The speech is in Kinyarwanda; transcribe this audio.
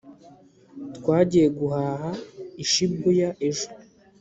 twagiye guhaha i shibuya ejo